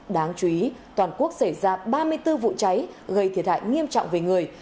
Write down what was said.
đáng chú ý toàn quốc xảy ra ba mươi bốn vụ cháy gây thiệt hại nghiêm trọng về người